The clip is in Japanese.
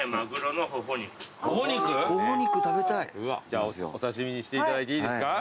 じゃあお刺し身にしていただいていいですか？